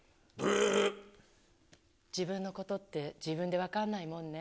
自分のことって、自分で分かんないもんね。